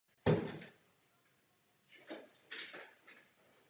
Žije v obci Železné u Tišnova.